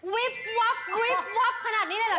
วิบวับขนาดนี้เลยล่ะ